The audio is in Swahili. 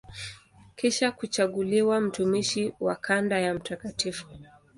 Kisha kuchaguliwa mtumishi wa kanda ya Mt.